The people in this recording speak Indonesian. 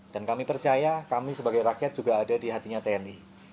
dan kami percaya kami sebagai rakyat juga ada di hatinya tni